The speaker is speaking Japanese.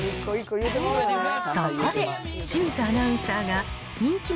そこで、清水アナウンサーが人気の